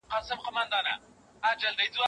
افغانانو مقاومت ته دوام ورکړ